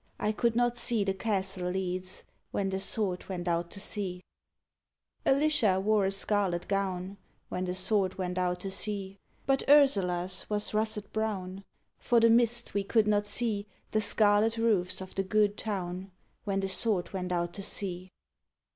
I could not see the castle leads, When the Sword went out to sea, Alicia wore a scarlet gown, When the Sword went out to sea, But Ursula's was russet brown: For the mist we could not see The scarlet roofs of the good town, _When the Sword went out to sea.